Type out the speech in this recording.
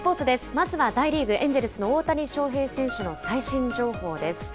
まずは大リーグ・エンジェルスの大谷翔平選手の最新情報です。